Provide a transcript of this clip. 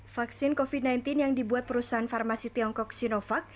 vaksin covid sembilan belas yang dibuat perusahaan farmasi tiongkok sinovac